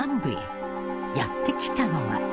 やって来たのは。